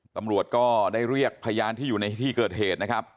ตำรวจก็ได้เรียกพยานที่อยู่ในที่เกิดเหตุนะครับ